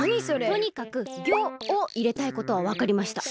とにかく「ギョ」をいれたいことはわかりました。